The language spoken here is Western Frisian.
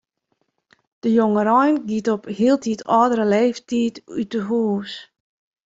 De jongerein giet op hieltyd âldere leeftiid út 'e hûs.